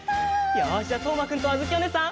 よしじゃあとうまくんとあづきおねえさん